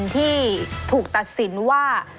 ที่ถูกตัดสินว่า